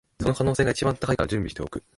その可能性が一番高いから準備しておく